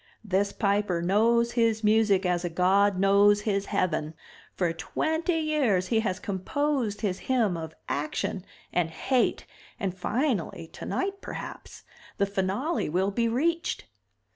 This Piper knows his music as a god knows his heaven. For twenty years he has composed his hymn of action and hate and finally, tonight perhaps, the finale will be reached.